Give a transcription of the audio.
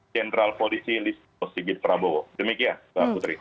jenderal polisi listos sibit prabowo demikian mbak putri